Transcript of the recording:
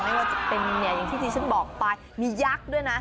ไม่ว่าจะเป็นอย่างที่ที่ฉันบอกไปมียักษ์ด้วยนะ